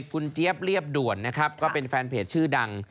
คุณเจี๊ยบเรียบด่วนนะครับก็เป็นแฟนเพจชื่อดัง